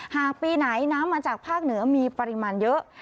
หากปีไหนน้ำมาจากภาคเหนือมีปริมาณเยอะ